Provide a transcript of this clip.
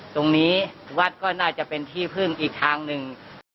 ตรงนี้วัดก็น่าจะเป็นที่พึ่งอีกทางหนึ่ง